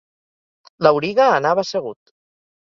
L'auriga anava assegut.